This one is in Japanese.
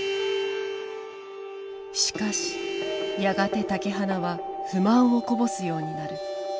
しかしやがて竹鼻は不満をこぼすようになる。